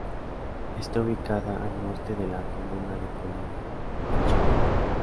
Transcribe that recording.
Está ubicada al norte de la comuna de Colina, en Chile.